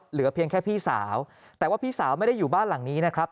เหลือเพียงแค่พี่สาวแต่ว่าพี่สาวไม่ได้อยู่บ้านหลังนี้นะครับ